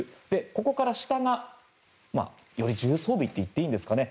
ここから下が、より重装備といっていいんですかね。